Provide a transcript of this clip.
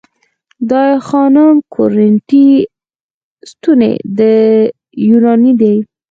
د آی خانم کورینتی ستونې یوناني دي